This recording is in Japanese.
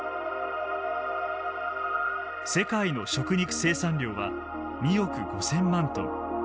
世界の食肉生産量は２億５，０００万トン。